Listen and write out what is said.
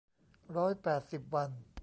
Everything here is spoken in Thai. ร้อยแปดสิบวัน